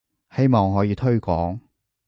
希望可以推廣